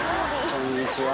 こんにちは。